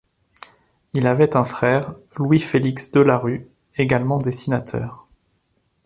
Il avait un frère, Louis-Félix Delarue, également dessinateur.